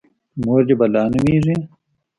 _مور دې بلا نومېږي؟